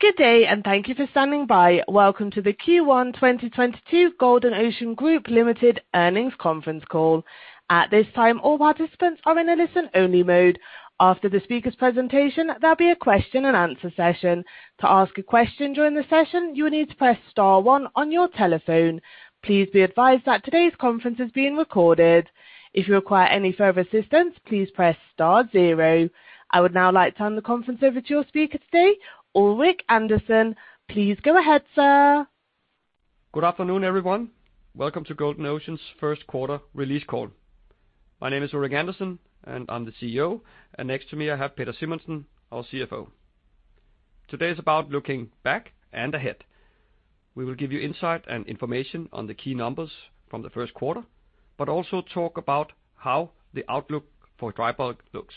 Good day and thank you for standing by. Welcome to the Q1 2022 Golden Ocean Group Limited earnings conference call. At this time, all participants are in a listen-only mode. After the speaker's presentation, there'll be a question-and-answer session. To ask a question during the session, you will need to press star one on your telephone. Please be advised that today's conference is being recorded. If you require any further assistance, please press star zero. I would now like to turn the conference over to your speaker today, Ulrik Andersen. Please go ahead, sir. Good afternoon, everyone. Welcome to Golden Ocean's first quarter release call. My name is Ulrik Andersen, and I'm the CEO. Next to me, I have Peder Simonsen, our CFO. Today is about looking back and ahead. We will give you insight and information on the key numbers from the first quarter, but also talk about how the outlook for dry bulk looks.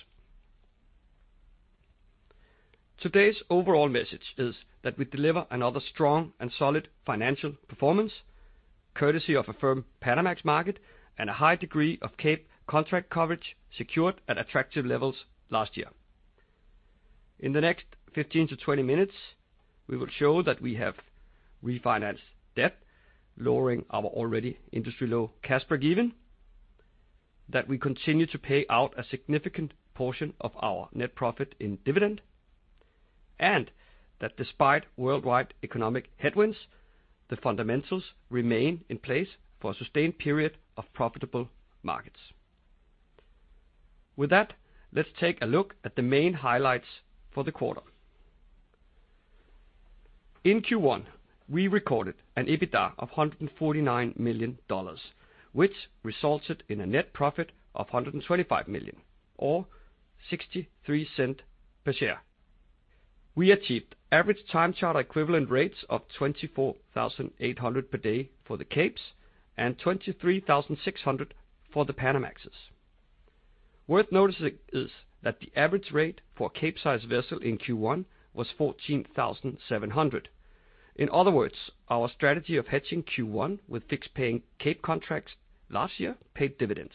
Today's overall message is that we deliver another strong and solid financial performance, courtesy of a firm Panamax market and a high degree of Cape contract coverage secured at attractive levels last year. In the next 15 to 20 minutes, we will show that we have refinanced debt, lowering our already industry-low cash break-even. That we continue to pay out a significant portion of our net profit in dividend. That despite worldwide economic headwinds, the fundamentals remain in place for a sustained period of profitable markets. With that, let's take a look at the main highlights for the quarter. In Q1, we recorded an EBITDA of $149 million, which resulted in a net profit of $125 million or $0.63 per share. We achieved average time charter equivalent rates of $24,800 per day for the Capes and $23,600 for the Panamax. Worth noticing is that the average rate for Capesize vessel in Q1 was $14,700. In other words, our strategy of hedging Q1 with fixed paying Cape contracts last year paid dividends.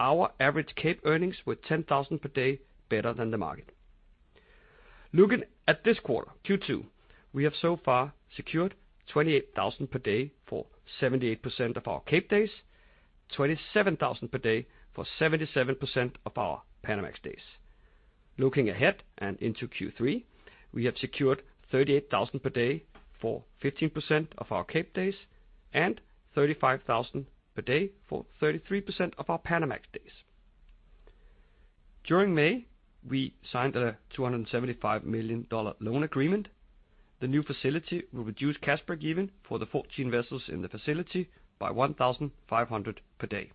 Our average Cape earnings were $10,000 per day better than the market. Looking at this quarter, Q2, we have so far secured $28,000 per day for 78% of our Cape days, $27,000 per day for 77% of our Panamax days. Looking ahead and into Q3, we have secured $38,000 per day for 15% of our Cape days and $35,000 per day for 33% of our Panamax days. During May, we signed a $275 million loan agreement. The new facility will reduce cash break-even for the 14 vessels in the facility by $1,500 per day.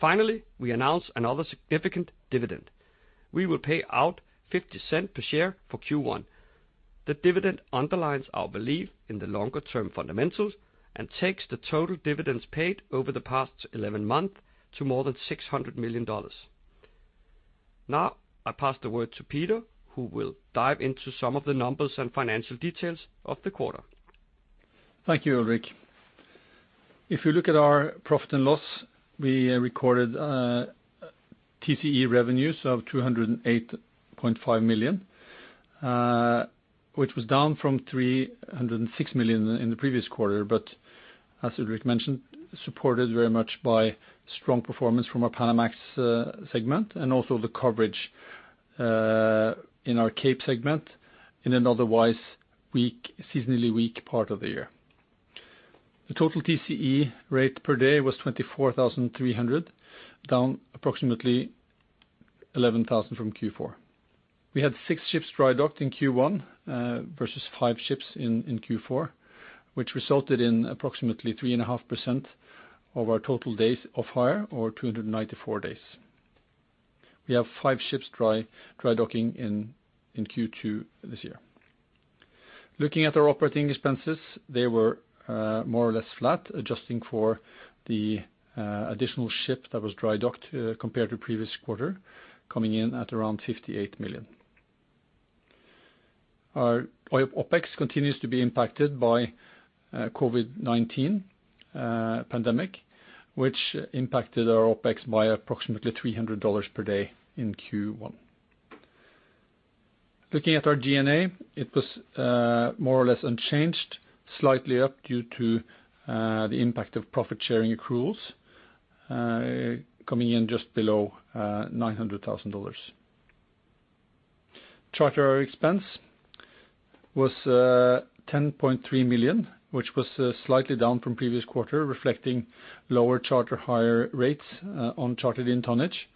Finally, we announced another significant dividend. We will pay out $0.50 per share for Q1. The dividend underlines our belief in the longer term fundamentals and takes the total dividends paid over the past 11 months to more than $600 million. Now, I pass the word to Peder, who will dive into some of the numbers and financial details of the quarter. Thank you, Ulrik. If you look at our profit and loss, we recorded TCE revenues of $208.5 million, which was down from $306 million in the previous quarter. As Ulrik mentioned, supported very much by strong performance from our Panamax segment and also the coverage in our Cape segment in an otherwise seasonally weak part of the year. The total TCE rate per day was $24,300, down approximately $11,000 from Q4. We had six ships dry docked in Q1 versus five ships in Q4, which resulted in approximately 3.5% of our total days of hire or 294 days. We have five ships dry docking in Q2 this year. Looking at our operating expenses, they were more or less flat, adjusting for the additional ship that was dry docked compared to previous quarter, coming in at around $58 million. Our OpEx continues to be impacted by COVID-19 pandemic, which impacted our OpEx by approximately $300 per day in Q1. Looking at our G&A, it was more or less unchanged, slightly up due to the impact of profit sharing accruals, coming in just below $900,000. Charter expense was $10.3 million, which was slightly down from previous quarter, reflecting lower charter hire rates on chartered-in tonnage,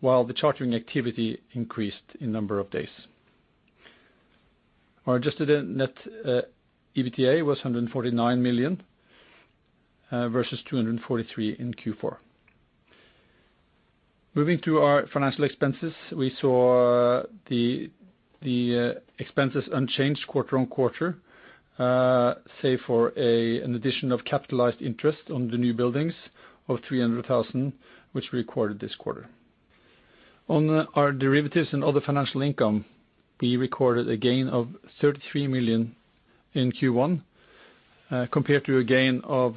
while the chartering activity increased in number of days. Our adjusted net EBITDA was $149 million versus $243 million in Q4. Moving to our financial expenses, we saw the expenses unchanged quarter-over-quarter, save for an addition of capitalized interest on the new buildings of $300,000, which we recorded this quarter. On our derivatives and other financial income, we recorded a gain of $33 million in Q1, compared to a gain of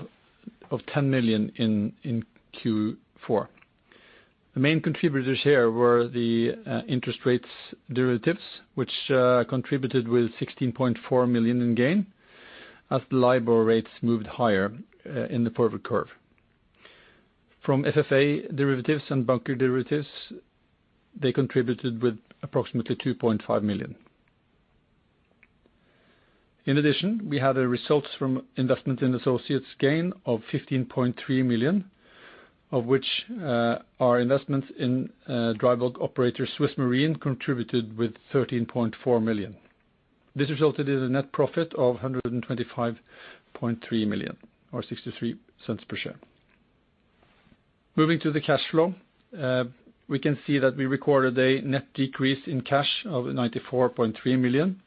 $10 million in Q4. The main contributors here were the interest rates derivatives, which contributed with $16.4 million in gain as the LIBOR rates moved higher in the forward curve. From FFA derivatives and bunker derivatives, they contributed with approximately $2.5 million. In addition, we had a result from investment in associates gain of $15.3 million, of which our investment in dry bulk operator SwissMarine contributed with $13.4 million. This resulted in a net profit of $125.3 million or $0.63 per share. Moving to the cash flow, we can see that we recorded a net decrease in cash of $94.3 million,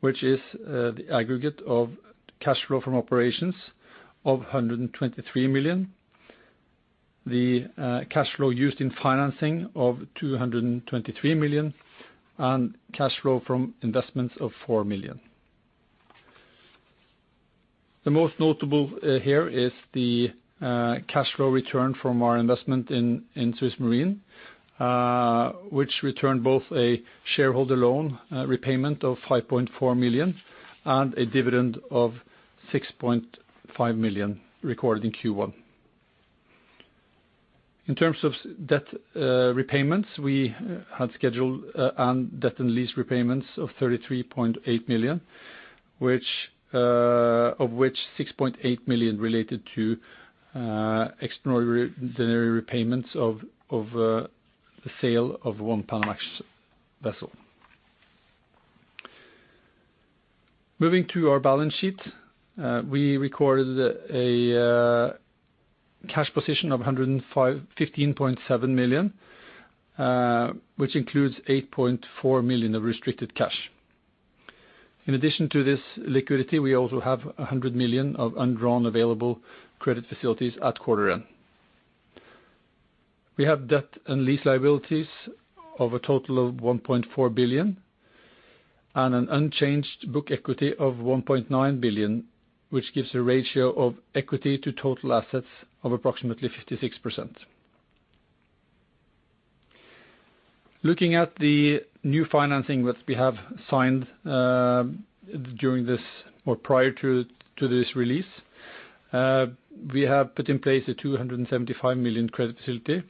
which is the aggregate of cash flow from operations of $123 million. The cash flow used in financing of $223 million and cash flow from investments of $4 million. The most notable here is the cash flow return from our investment in SwissMarine, which returned both a shareholder loan repayment of $5.4 million and a dividend of $6.5 million recorded in Q1. In terms of debt repayments, we had scheduled debt and lease repayments of $33.8 million, of which $6.8 million related to extraordinary repayments of the sale of one Panamax vessel. Moving to our balance sheet, we recorded a cash position of $115.7 million, which includes $8.4 million of restricted cash. In addition to this liquidity, we also have $100 million of undrawn available credit facilities at quarter end. We have debt and lease liabilities of a total of $1.4 billion and an unchanged book equity of $1.9 billion, which gives a ratio of equity to total assets of approximately 56%. Looking at the new financing that we have signed during this or prior to this release, we have put in place a $275 million credit facility,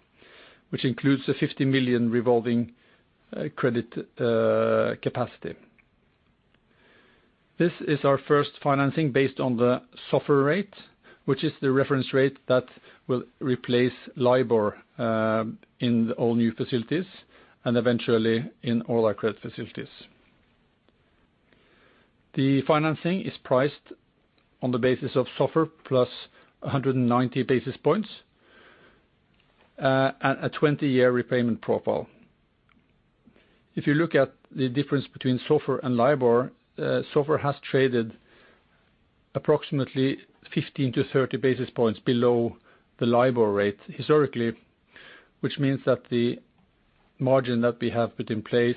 which includes a $50 million revolving credit capacity. This is our first financing based on the SOFR rate, which is the reference rate that will replace LIBOR in all new facilities and eventually in all our credit facilities. The financing is priced on the basis of SOFR plus 190 basis points at a 20-year repayment profile. If you look at the difference between SOFR and LIBOR, SOFR has traded approximately 15-30 basis points below the LIBOR rate historically, which means that the margin that we have put in place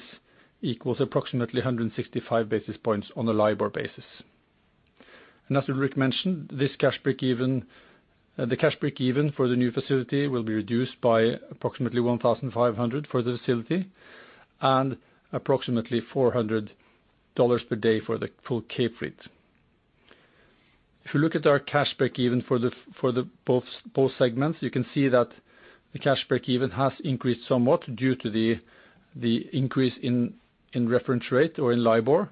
equals approximately 165 basis points on a LIBOR basis. As Ulrik mentioned, this cash break even the cash break even for the new facility will be reduced by approximately $1,500 for the facility and approximately $400 per day for the full Cape fleet. If you look at our cash break even for both segments, you can see that the cash break even has increased somewhat due to the increase in reference rate or in LIBOR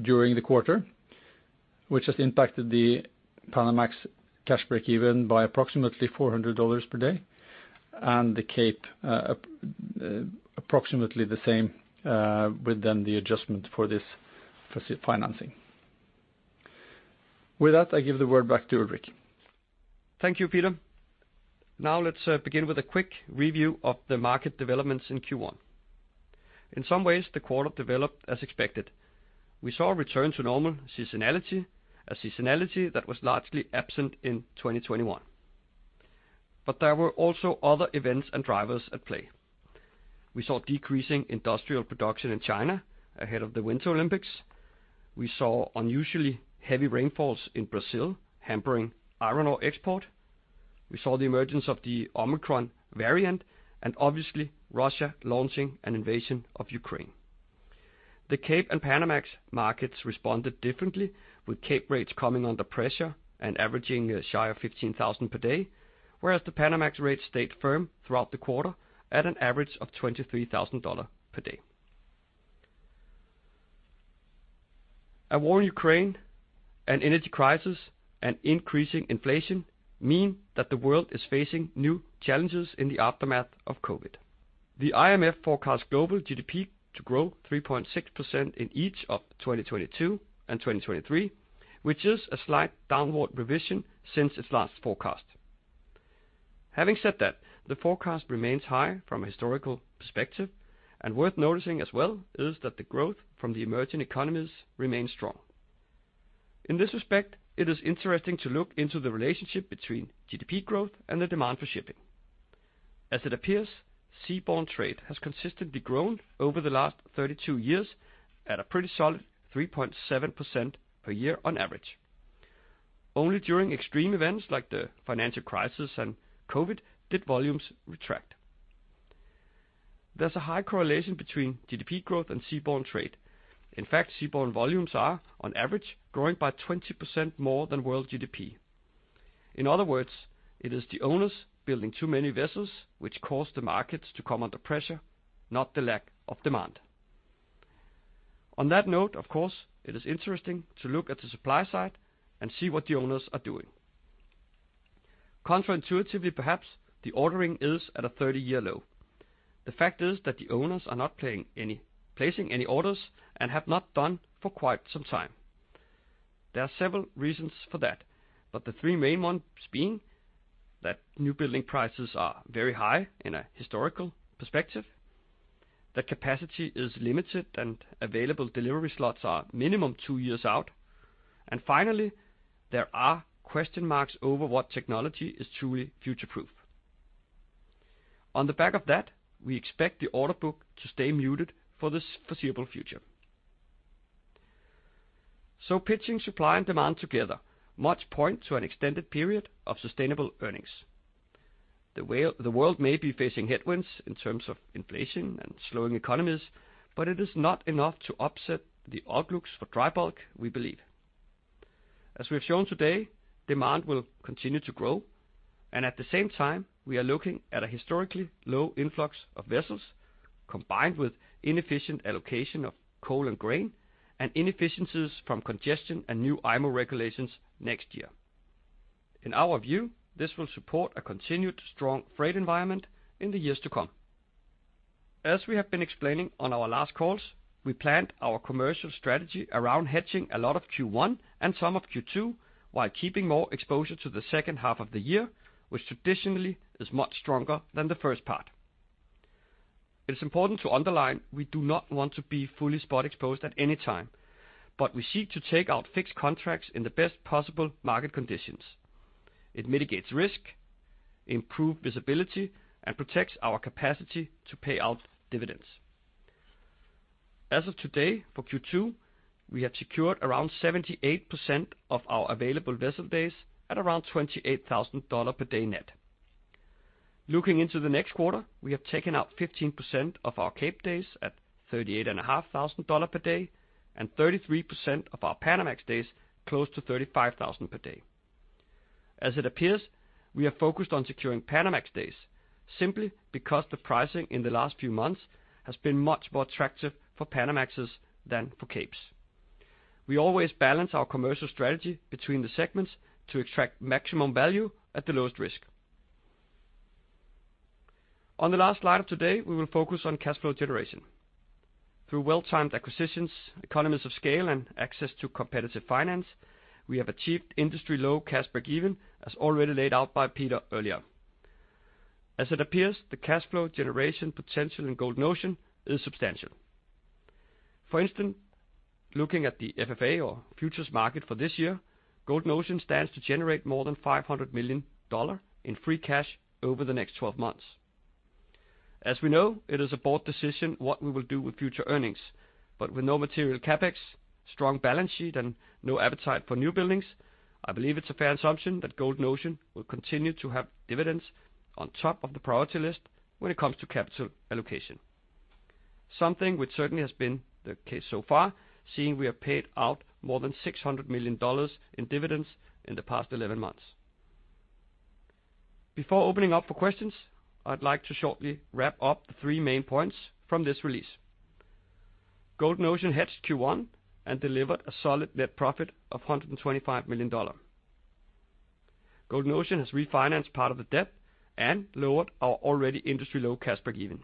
during the quarter, which has impacted the Panamax cash break even by approximately $400 per day, and the Cape approximately the same with the adjustment for this financing. With that, I give the word back to Ulrik. Thank you, Peder. Now let's begin with a quick review of the market developments in Q1. In some ways, the quarter developed as expected. We saw a return to normal seasonality, a seasonality that was largely absent in 2021. There were also other events and drivers at play. We saw decreasing industrial production in China ahead of the Winter Olympics. We saw unusually heavy rainfalls in Brazil hampering iron ore export. We saw the emergence of the Omicron variant and obviously Russia launching an invasion of Ukraine. The Cape and Panamax markets responded differently, with Cape rates coming under pressure and averaging just shy of $15,000 per day, whereas the Panamax rates stayed firm throughout the quarter at an average of $23,000 per day. A war in Ukraine, an energy crisis, and increasing inflation mean that the world is facing new challenges in the aftermath of COVID. The IMF forecasts global GDP to grow 3.6% in each of 2022 and 2023, which is a slight downward revision since its last forecast. Having said that, the forecast remains high from a historical perspective, and worth noticing as well is that the growth from the emerging economies remains strong. In this respect, it is interesting to look into the relationship between GDP growth and the demand for shipping. As it appears, seaborne trade has consistently grown over the last 32 years at a pretty solid 3.7% per year on average. Only during extreme events like the financial crisis and COVID did volumes retract. There's a high correlation between GDP growth and seaborne trade. In fact, seaborne volumes are, on average, growing by 20% more than world GDP. In other words, it is the owners building too many vessels which cause the markets to come under pressure, not the lack of demand. On that note, of course, it is interesting to look at the supply side and see what the owners are doing. Counter-intuitively, perhaps the ordering is at a 30-year low. The fact is that the owners are not placing any orders and have not done for quite some time. There are several reasons for that, but the three main ones being that newbuilding prices are very high in a historical perspective, that capacity is limited and available delivery slots are minimum two years out. Finally, there are question marks over what technology is truly future-proof. On the back of that, we expect the order book to stay muted for this foreseeable future. Pitching supply and demand together must point to an extended period of sustainable earnings. The world may be facing headwinds in terms of inflation and slowing economies, but it is not enough to upset the outlooks for dry bulk, we believe. As we have shown today, demand will continue to grow and at the same time we are looking at a historically low influx of vessels combined with inefficient allocation of coal and grain and inefficiencies from congestion and new IMO regulations next year. In our view, this will support a continued strong freight environment in the years to come. As we have been explaining on our last calls, we planned our commercial strategy around hedging a lot of Q1 and some of Q2 while keeping more exposure to the second half of the year, which traditionally is much stronger than the first part. It is important to underline we do not want to be fully spot exposed at any time, but we seek to take out fixed contracts in the best possible market conditions. It mitigates risk, improve visibility, and protects our capacity to pay out dividends. As of today, for Q2, we have secured around 78% of our available vessel days at around $28,000 per day net. Looking into the next quarter, we have taken out 15% of our Cape days at $38,500 per day and 33% of our Panamax days close to $35,000 per day. As it appears, we are focused on securing Panamax days simply because the pricing in the last few months has been much more attractive for Panamax than for Capes. We always balance our commercial strategy between the segments to extract maximum value at the lowest risk. On the last slide of today, we will focus on cash flow generation. Through well-timed acquisitions, economies of scale and access to competitive finance, we have achieved industry-low cash break-even, as already laid out by Peder earlier. As it appears, the cash flow generation potential in Golden Ocean is substantial. For instance, looking at the FFA or futures market for this year, Golden Ocean stands to generate more than $500 million in free cash over the next 12 months. As we know, it is a board decision what we will do with future earnings, but with no material CapEx, strong balance sheet and no appetite for new buildings, I believe it's a fair assumption that Golden Ocean will continue to have dividends on top of the priority list when it comes to capital allocation. Something which certainly has been the case so far, seeing we have paid out more than $600 million in dividends in the past 11 months. Before opening up for questions, I'd like to shortly wrap up the three main points from this release. Golden Ocean hedged Q1 and delivered a solid net profit of $125 million. Golden Ocean has refinanced part of the debt and lowered our already industry-low cash break-even.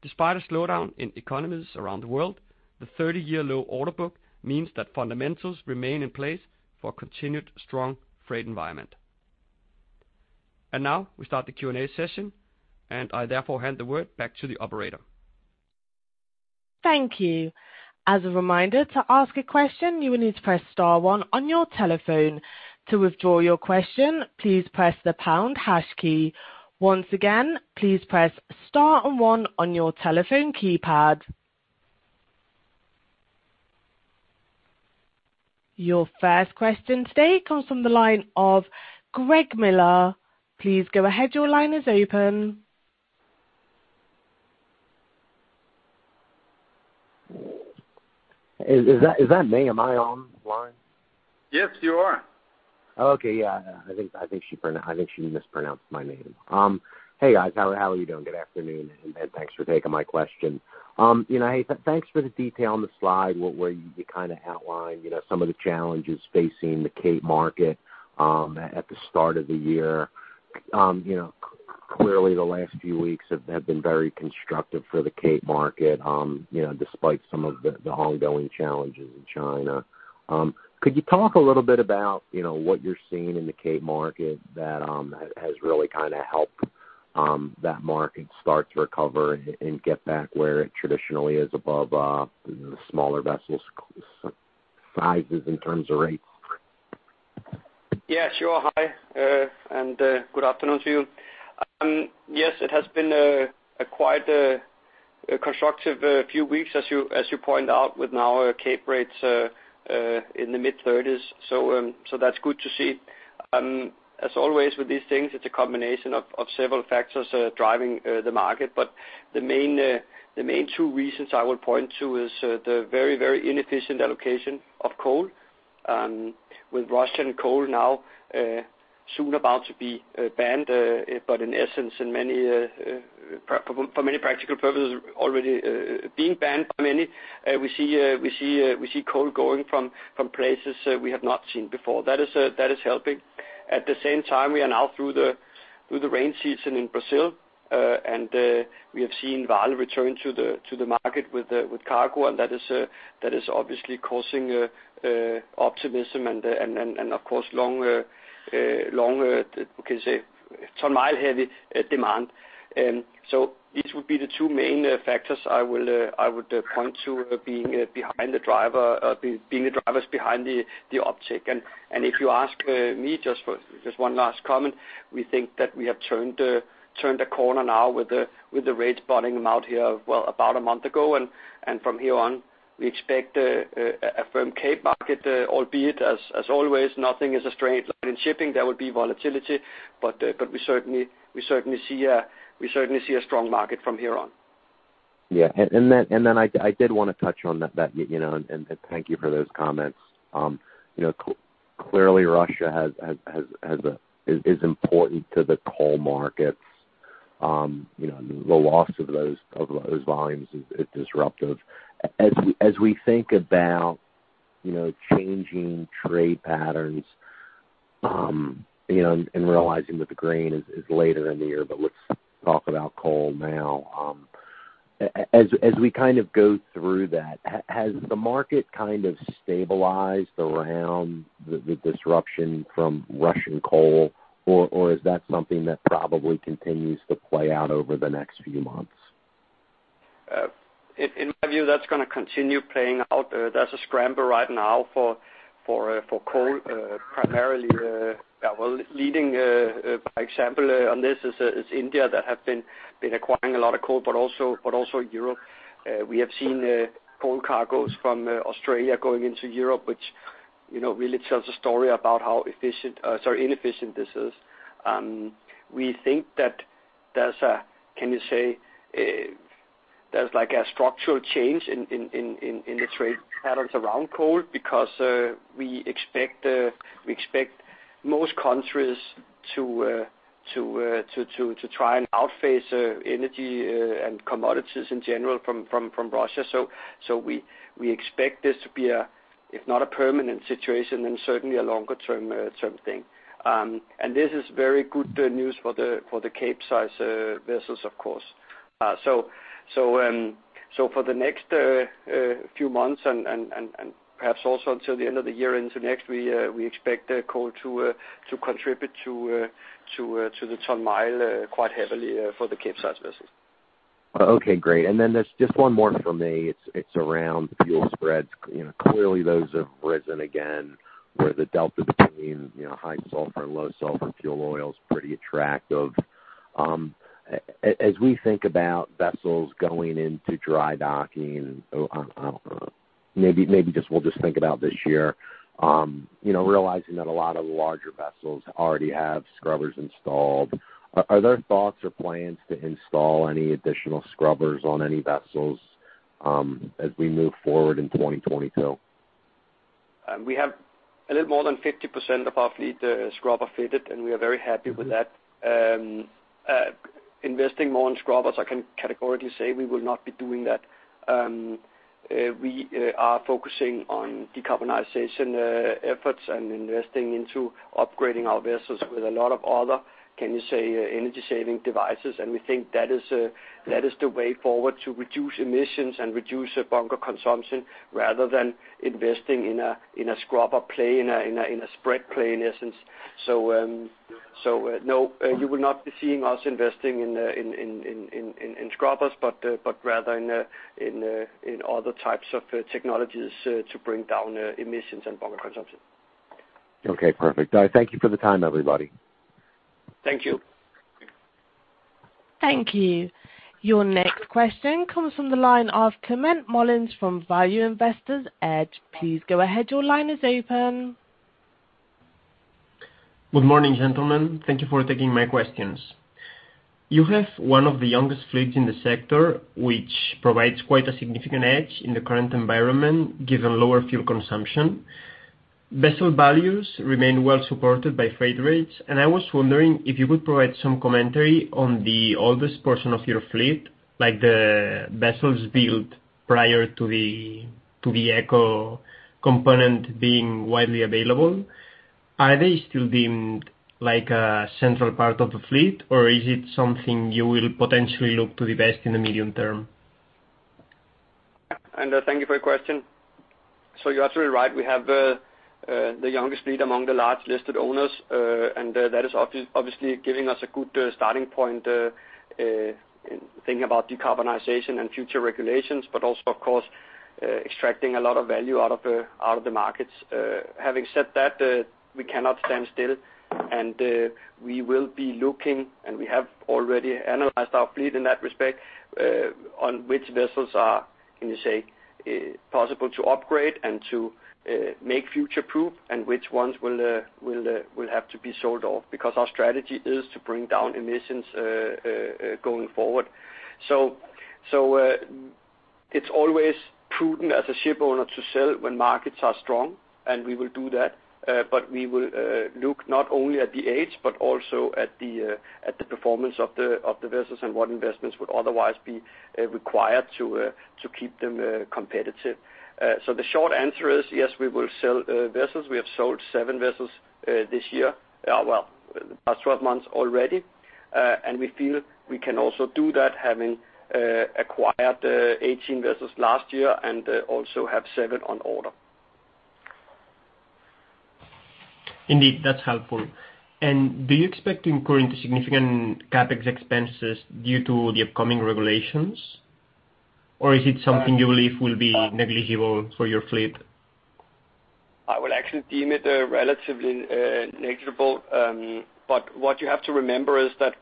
Despite a slowdown in economies around the world, the 30-year low order book means that fundamentals remain in place for continued strong freight environment. Now we start the Q&A session and I therefore hand the word back to the operator. Thank you. As a reminder to ask a question you will need to press star one on your telephone. To withdraw your question please press the pound hash key. Once again, please press star and one on your telephone keypad. Your first question today comes from the line of Greg Miller. Please go ahead. Your line is open. Is that me? Am I on the line? Yes, you are. Okay. Yeah. I think she mispronounced my name. Hey, guys. How are you doing? Good afternoon, and thanks for taking my question. You know, hey, thanks for the detail on the slide where you kinda outlined, you know, some of the challenges facing the Cape market, at the start of the year. You know, clearly the last few weeks have been very constructive for the Cape market, you know, despite some of the ongoing challenges in China. Could you talk a little bit about, you know, what you're seeing in the Cape market that has really kinda helped that market start to recover and get back where it traditionally is above the smaller vessels sizes in terms of rates? Yeah, sure. Hi, and good afternoon to you. Yes, it has been quite a constructive few weeks as you pointed out with now Capesize rates in the mid-30s. That's good to see. As always with these things, it's a combination of several factors driving the market. The main two reasons I would point to is the very, very inefficient allocation of coal with Russian coal now soon about to be banned, but in essence, in many for many practical purposes, already being banned by many. We see coal going from places we have not seen before. That is helping. At the same time, we are now through the rain season in Brazil. We have seen Vale return to the market with cargo, and that is obviously causing optimism and of course longer ton-mile heavy demand. These would be the two main factors I would point to being the drivers behind the uptick. If you ask me just for one last comment, we think that we have turned the corner now with the rates bottoming out here, well, about a month ago. From here on, we expect a firm Cape market, albeit as always, nothing is a straight line in shipping. There will be volatility, but we certainly see a strong market from here on. Yeah. I did wanna touch on that, you know, and thank you for those comments. Clearly Russia is important to the coal markets. You know, the loss of those volumes is disruptive. As we think about, you know, changing trade patterns, you know, and realizing that the grain is later in the year, but let's talk about coal now. As we kind of go through that, has the market kind of stabilized around the disruption from Russian coal, or is that something that probably continues to play out over the next few months? In my view, that's gonna continue playing out. There's a scramble right now for coal, primarily, yeah, well, leading by example on this is India that have been acquiring a lot of coal, but also Europe. We have seen coal cargos from Australia going into Europe, which, you know, really tells a story about how inefficient this is. We think that there's like a structural change in the trade patterns around coal because we expect most countries to try and phase out energy and commodities in general from Russia. We expect this to be a, if not a permanent situation, then certainly a longer term thing. This is very good news for the Capesize vessels, of course. For the next few months and perhaps also until the end of the year into next, we expect coal to contribute to the ton-mile quite heavily for the Capesize vessels. Okay, great. Then there's just one more from me. It's around fuel spreads. You know, clearly those have risen again, where the delta between, you know, high sulfur and low sulfur fuel oil is pretty attractive. As we think about vessels going into dry docking, maybe we'll just think about this year, you know, realizing that a lot of the larger vessels already have scrubbers installed, are there thoughts or plans to install any additional scrubbers on any vessels, as we move forward in 2022? We have a little more than 50% of our fleet scrubber fitted, and we are very happy with that. Investing more in scrubbers, I can categorically say we will not be doing that. We are focusing on decarbonization efforts and investing into upgrading our vessels with a lot of other, can you say, energy-saving devices. We think that is the way forward to reduce emissions and reduce the bunker consumption rather than investing in a scrubber play, in a spread play, in essence. No, you will not be seeing us investing in scrubbers, but rather in other types of technologies to bring down emissions and bunker consumption. Okay, perfect. I thank you for the time, everybody. Thank you. Thank you. Your next question comes from the line of Climent Molins from Value Investor's Edge. Please go ahead. Your line is open. Good morning, gentlemen. Thank you for taking my questions. You have one of the youngest fleets in the sector, which provides quite a significant edge in the current environment given lower fuel consumption. Vessel values remain well supported by freight rates, and I was wondering if you could provide some commentary on the oldest portion of your fleet, like the vessels built prior to the eco component being widely available. Are they still deemed like a central part of the fleet, or is it something you will potentially look to divest in the medium term? Thank you for your question. You're absolutely right. We have the youngest fleet among the large listed owners. That is obviously giving us a good starting point in thinking about decarbonization and future regulations, but also, of course, extracting a lot of value out of the markets. Having said that, we cannot stand still and we will be looking and we have already analyzed our fleet in that respect, on which vessels are, can you say, possible to upgrade and to make future-proof and which ones will have to be sold off because our strategy is to bring down emissions going forward. It's always prudent as a ship owner to sell when markets are strong and we will do that. We will look not only at the age but also at the performance of the vessels and what investments would otherwise be required to keep them competitive. The short answer is yes, we will sell vessels. We have sold seven vessels this year, well, the past 12 months already. We feel we can also do that having acquired 18 vessels last year and also have seven on order. Indeed, that's helpful. Do you expect to incur into significant CapEx expenses due to the upcoming regulations? Or is it something you believe will be negligible for your fleet? I would actually deem it relatively negligible. What you have to remember is that,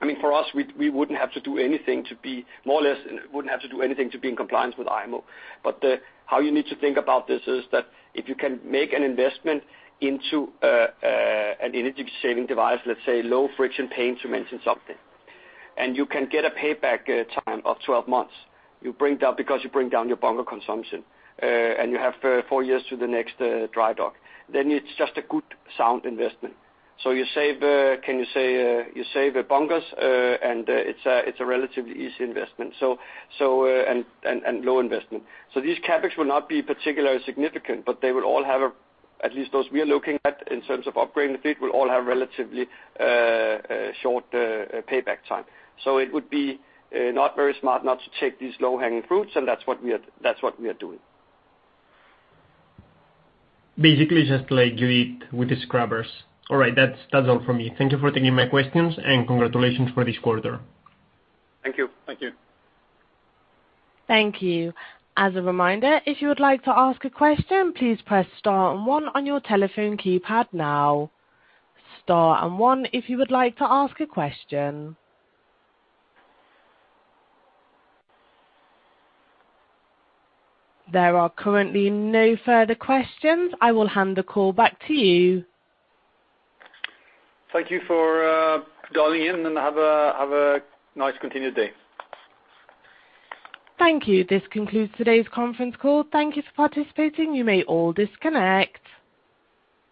I mean, for us, we wouldn't have to do anything to be in compliance with IMO. How you need to think about this is that if you can make an investment into an energy saving device, let's say low friction paint to mention something. You can get a payback time of 12 months, you bring down your bunker consumption and you have four years to the next dry dock, then it's just a good sound investment. You save the bunkers and it's a relatively easy investment and low investment. These CapEx will not be particularly significant, but they will all have at least those we are looking at in terms of upgrading the fleet will all have relatively short payback time. It would be not very smart not to take these low-hanging fruits, and that's what we are doing. Basically, just like you did with the scrubbers. All right. That's all for me. Thank you for taking my questions and congratulations for this quarter. Thank you. Thank you. Thank you. As a reminder, if you would like to ask a question, please press star and one on your telephone keypad now. Star and one if you would like to ask a question. There are currently no further questions. I will hand the call back to you. Thank you for dialing in and have a nice continued day. Thank you. This concludes today's conference call. Thank you for participating. You may all disconnect.